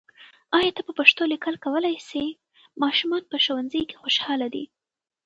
آیا ته په پښتو لیکل کولای سې؟ ماشومان په ښوونځي کې خوشاله دي.